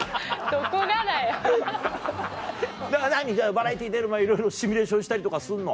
バラエティー出る前いろいろシミュレーションしたりとかすんの？